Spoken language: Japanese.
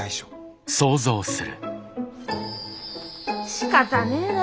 しかたねえな。